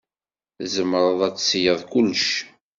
Tzemreḍ ad tesleḍ kullec.